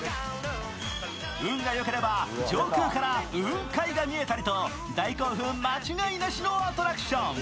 運がよければ上空から雲海が見えたりと大興奮間違いなしのアトラクション。